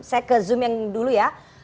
saya ke zoom yang dulu ya